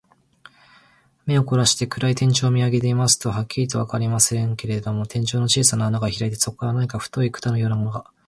目をこらして、暗い天井を見あげていますと、はっきりとはわかりませんけれど、天井に小さな穴がひらいて、そこから何か太い管のようなものが、